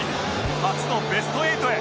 初のベスト８へ